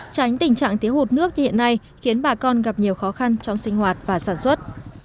tránh tình trạng tiếu hụt nước như hiện nay khiến bà con gặp nhiều khó khăn trong sinh hoạt và sản xuất